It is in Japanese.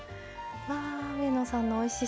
ああ上野さんのおいしそう。